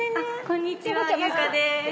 こんにちは優香です。